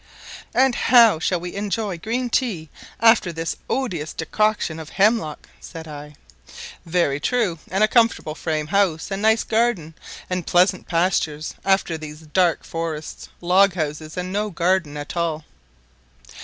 "And how we shall enjoy green tea after this odious decoction of hemlock," said I. "Very true; and a comfortable frame house, and nice garden, and pleasant pastures, after these dark forests, log houses, and no garden at all."